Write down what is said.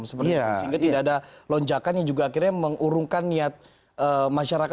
sehingga tidak ada lonjakan yang juga akhirnya mengurungkan niat masyarakat